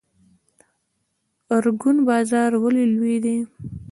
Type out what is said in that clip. ارګون بازار ولې لوی دی؟